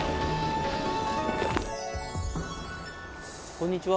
こんにちは。